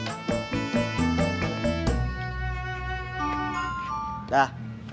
takut itu cuma nama allah